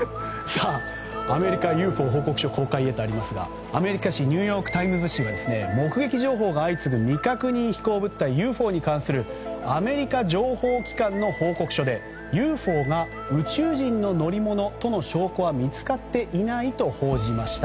アメリカＵＦＯ報告書公開へとありますがアメリカ紙ニューヨーク・タイムズは目撃情報が相次ぐ未確認飛行物体ＵＦＯに関するアメリカ情報機関の報告書でＵＦＯが宇宙人の乗り物との証拠は見つかっていないと報じました。